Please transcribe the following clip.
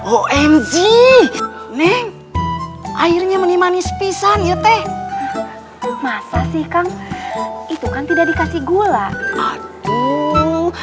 omz airnya menimanis pisang ya teh masa sih kang itu kan tidak dikasih gula aduh